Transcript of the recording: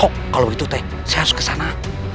oh kalau begitu teh saya harus kesana